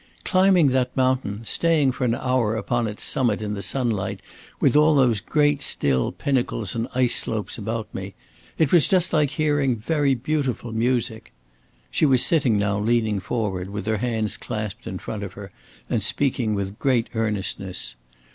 Climbing that mountain, staying for an hour upon its summit in the sunlight with all those great still pinnacles and ice slopes about me it was just like hearing very beautiful music." She was sitting now leaning forward with her hands clasped in front of her and speaking with great earnestness.